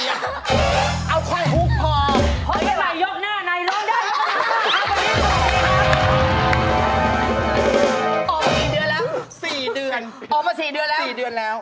ยอดวิวยอดวิวเป็นเท่าไหร่แล้ว